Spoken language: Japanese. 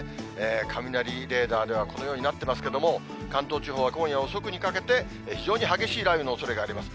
雷レーダーではこのようになってますけれども、関東地方は今夜遅くにかけて非常に激しい雷雨のおそれがあります。